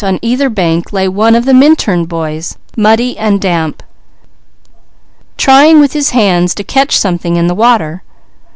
On either bank lay one of the Minturn boys, muddy and damp, trying with his hands to catch something in the water.